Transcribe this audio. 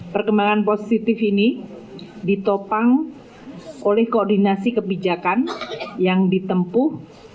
perkembangan positif ini ditopang oleh koordinasi kebijakan yang ditempuh